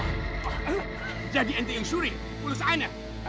eeeii jadi ente yang suri pulus ana